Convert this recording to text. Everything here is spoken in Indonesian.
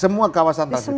semua kawasan trans migrasi